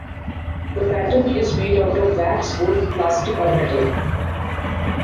The pattern is made out of wax, wood, plastic, or metal.